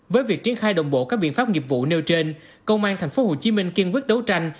với việc triển khai đồng bộ các biện pháp nghiệp vụ nêu trên công an tp hcm kiên quyết đấu tranh